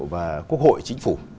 và quốc hội chính phủ